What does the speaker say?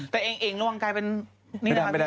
แต่เอ็งระวังกายเป็น